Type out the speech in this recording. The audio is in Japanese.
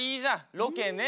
ロケね。